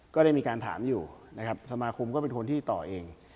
ก็ได้มีการถามอยู่นะครับสมาคมก็เป็นคนที่ต่อเอง